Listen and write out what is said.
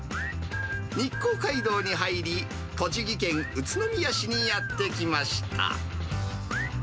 日光街道に入り、栃木県宇都宮市にやって来ました。